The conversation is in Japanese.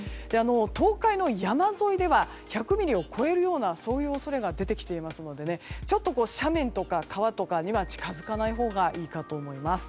東海の山沿いでは１００ミリを超えるようなそういう恐れが出てきていますのでちょっと斜面とか川とかには近づかないほうがいいかと思います。